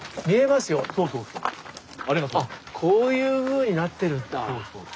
こういうふうになってるんだ。